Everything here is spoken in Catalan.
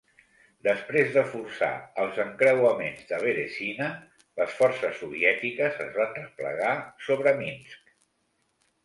Després de forçar els encreuaments de Berezina, les forces soviètiques es van replegar sobre Minsk.